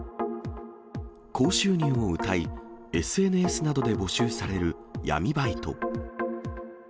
高収入をうたい、ＳＮＳなどで募集される闇バイト。